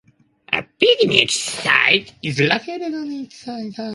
A picnic site is located on its south side.